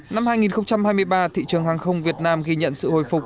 năm hai nghìn hai mươi ba thị trường hàng không việt nam ghi nhận sự hồi phục và nhận thức